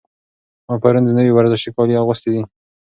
ما پرون د نوي ورزشي کالي اخیستي دي.